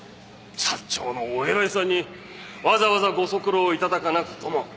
サッチョウのお偉いさんにわざわざご足労頂かなくとも。